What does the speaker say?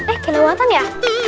eh kelewatan ya